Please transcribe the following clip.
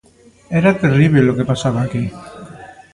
Era terríbel o que pasaba aquí!